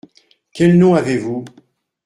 Quel nom avez-vous ?